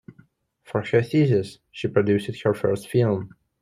For her thesis, she produced her first film.